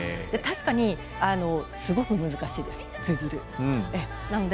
確かに、すごく難しいですツイズルは。